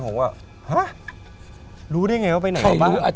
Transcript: บอกว่าฮะรู้ได้ไงว่าไปไหนบ้าง